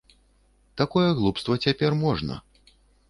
Такое глупства цяпер можна.